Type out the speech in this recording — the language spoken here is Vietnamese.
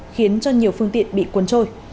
khiến cho nhiều phương tiện bị cuốn trôi